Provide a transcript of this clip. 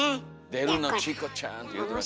「出るのチコちゃん」って言うてましたね。